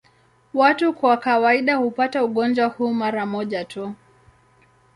Watu kwa kawaida hupata ugonjwa huu mara moja tu.